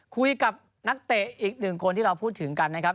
คุยกับนักเตะอีกหนึ่งคนที่เราพูดถึงกันนะครับ